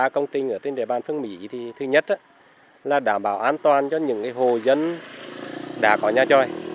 bảy mươi ba công ty ở trên đề bàn phương mỹ thì thứ nhất là đảm bảo an toàn cho những hồ dân đã có nhà trôi